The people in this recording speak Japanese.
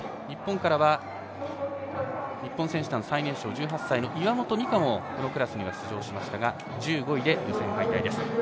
日本からは日本選手団最年少１８歳の岩本美歌もこのクラスに出場しましたが１５位で予選敗退です。